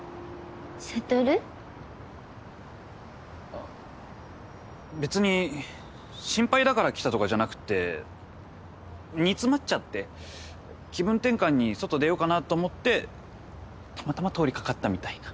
あっ別に心配だから来たとかじゃなくて煮詰まっちゃって気分転換に外出ようかなと思ってたまたま通り掛かったみたいな。